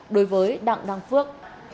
đối với đảng đăng phước